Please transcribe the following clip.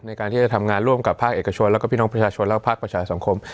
ในการที่จะทำงานร่วมกับภาคเอกชนแล้วก็พี่น้องประชาชนและภาคประชาสังคม